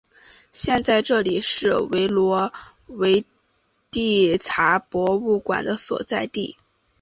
现在这里是维罗维蒂察博物馆的所在地。